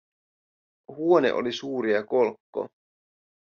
Huone oli suuri ja kolkko.